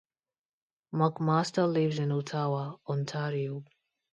McMaster lives in Ottawa, Ontario.